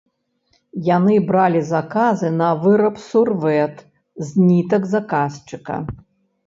Яны бралі заказы на выраб сурвэт з нітак заказчыка.